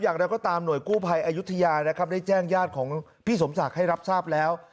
อย่างไรก็ตามหน่วยกู้ภัยอายุทยานะครับได้แจ้งญาติของพี่สมศักดิ์ให้รับทราบแล้ว